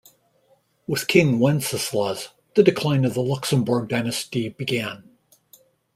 With King Wenceslaus, the decline of the Luxembourg dynasty began.